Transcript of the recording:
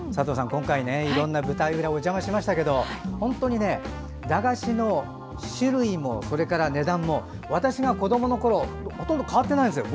今回いろんな舞台裏にお邪魔しましたが本当に駄菓子の種類もそれから値段も私が子どものころからほとんど変わってないですよ。